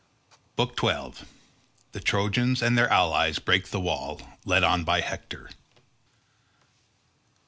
BOOK XII. The Trojans and their allies break the wall, led on by Hector.